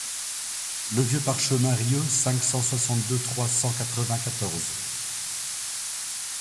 Le Vieulx-par-chemins Riault cinq cent soixante-deux trois cent quatre-vingt-quatorze.